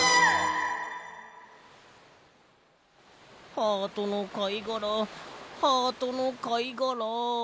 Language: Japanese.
ハートのかいがらハートのかいがら。